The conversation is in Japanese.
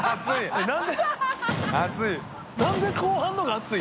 熱い。